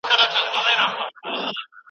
لوستې مور د کور د حشراتو مخه نيسي.